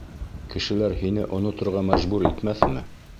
Кешеләр һине оноторға мәжбүр итмәҫме?